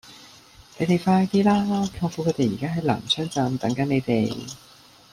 你哋快啲啦!舅父佢哋而家喺南昌站等緊你哋